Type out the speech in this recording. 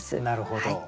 なるほど。